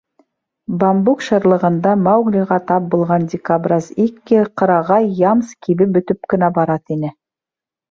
Бамбук шырлығында Мауглиға тап булған дикобраз Икки: «Ҡырағай ямс кибеп бөтөп кенә бара», — тине.